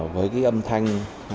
với cái âm thanh